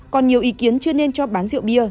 còn nhiều ý kiến chưa nên cho bán rượu bia